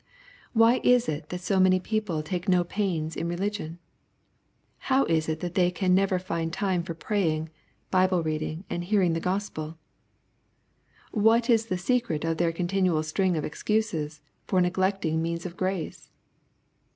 Why is it that so many people take no pains in religion ? How is it that they can never find time for praying, Bible reading and hearing the Q ospel ? What is the secret of their continual string of excuses for neglecting means of grace